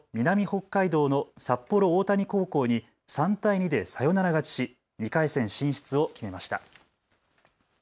北海道の札幌大谷高校に３対２でサヨナラ勝ちし２回戦進出を決めました。